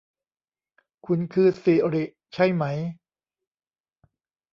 คุณคือสิริใช่ไหม